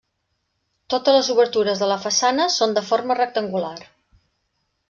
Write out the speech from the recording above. Totes les obertures de la façana són de forma rectangular.